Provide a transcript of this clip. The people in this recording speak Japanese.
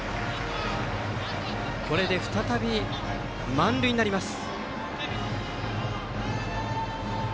これで再び満塁になります。